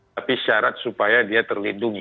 tapi syarat supaya dia terlindungi